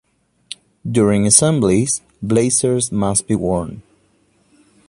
During assemblies, blazers must be worn.